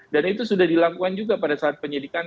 dan itu sudah dilakukan juga pada saat penyelidikan